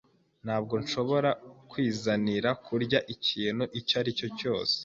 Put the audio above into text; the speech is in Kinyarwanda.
Ntabwo nshobora kwizanira kurya ikintu icyo ari cyo cyose.